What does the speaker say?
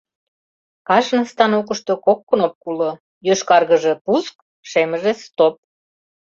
Кажне станокышто кок кнопко уло: йошкаргыже — «пуск», шемыже — «стоп».